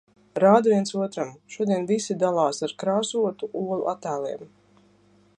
Rāda viens otram. Šodien visi dalās ar krāsotu olu attēliem.